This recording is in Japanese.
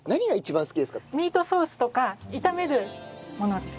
ミートソースとか炒めるものです。